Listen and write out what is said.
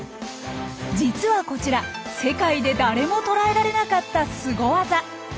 実はこちら世界で誰もとらえられなかったスゴ技。